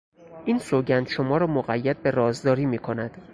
این سوگند شما را مقید به رازداری میکند.